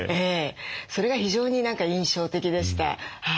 それが非常に印象的でした。